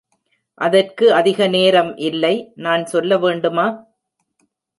அதற்கு அதிக நேரம் இல்லை, நான் சொல்ல வேண்டுமா?